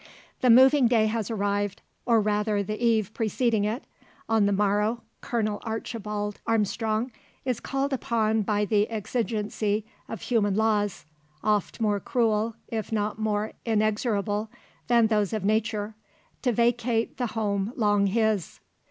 The moving day has arrived, or rather the eve preceding it. On the morrow, Colonel Archibald Armstrong is called upon by the exigency of human laws, oft more cruel, if not more inexorable, than those of Nature to vacate the home long his.